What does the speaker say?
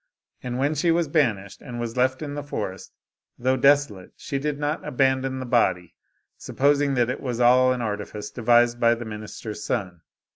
And when she was banished, and was left in the forest, though desolate, she did not aban don the body, supposing that it was all an artifice devised by the minister's son.